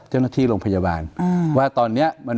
เจ้าหน้าที่โรงพยาบาลว่าตอนนี้